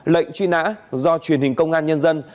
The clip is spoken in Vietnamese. lệnh truy nã do truyền hình công an nhân dân